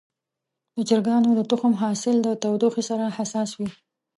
د چرګانو د تخم حاصل له تودوخې سره حساس وي.